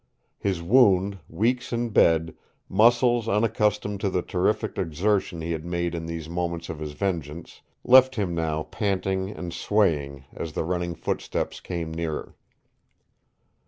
His wound, weeks in bed, muscles unaccustomed to the terrific exertion he had made in these moments of his vengeance, left him now panting and swaying as the running footsteps came nearer.